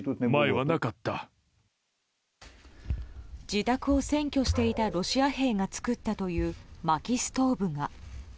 自宅を占拠していたロシア兵が作ったという、まきストーブが。